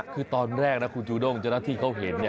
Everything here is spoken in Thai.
คือตอนแรกนะคุณจูด้งเจ้าหน้าที่เขาเห็น